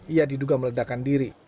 ia diduga meledakan diri